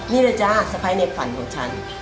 นี่แหละจ้าสะพ้ายในฝันของฉัน